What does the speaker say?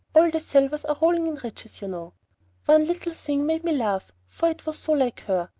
All the Silvers are rolling in riches, you know. One little thing made me laugh, for it was so like her.